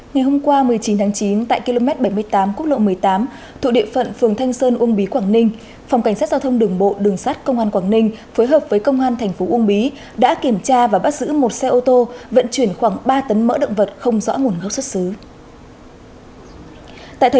ngày hôm qua một mươi chín tháng chín tại km bảy mươi tám quốc lộ một mươi tám thuộc địa phận phường thanh sơn uông bí quảng ninh phòng cảnh sát giao thông đường bộ đường sát công an quảng ninh phối hợp với công an thành phố uông bí đã kiểm tra và bắt giữ một xe ô tô vận chuyển khoảng ba tấn mỡ động vật không rõ nguồn gốc xuất xứ